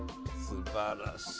すばらしい。